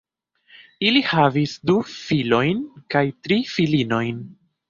Ili havis du filojn kaj tri filinojn.